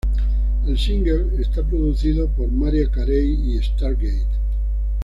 El single está producido por Mariah Carey y Stargate.